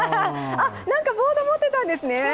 なんかボードを持ってたんですね。